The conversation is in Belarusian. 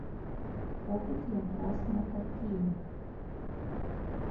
Попыт якраз на такія.